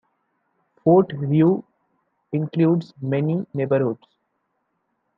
Fort Rouge includes many neighbourhoods.